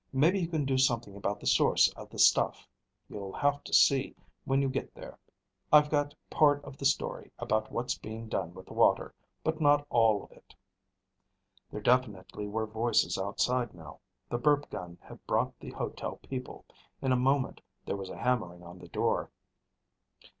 Maybe you can do something about the source of the stuff. You'll have to see when you get there. I've got part of the story about what's being done with the water, but not all of it." There definitely were voices outside now. The burp gun had brought the hotel people. In a moment there was a hammering on the door.